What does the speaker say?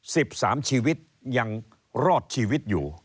สิบสามชีวิตยังรอดชีวิตอยู่